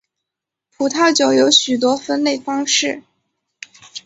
葡萄酒有许多分类方式。